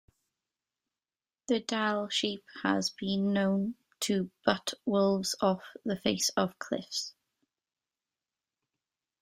The Dall sheep has been known to butt wolves off the face of cliffs.